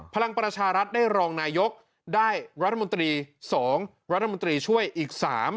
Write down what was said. พลังประชารัฐได้รองนายกได้รัฐมนตรี๒รัฐมนตรีช่วยอีก๓